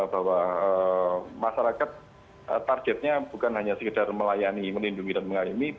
bahwa masyarakat targetnya bukan hanya sekedar melayani melindungi dan mengalami